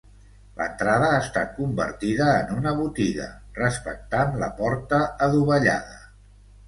L'entrada ha estat convertida en una botiga, respectant la porta adovellada.